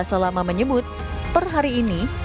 sudah selama menyebut per hari ini